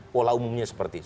pola umumnya seperti itu